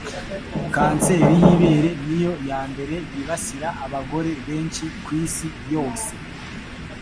Kanseri y'ibere niyo ya mbere yibasira abagore benshi ku isi yose.